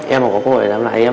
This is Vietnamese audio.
em mà có cơ hội làm lại em về em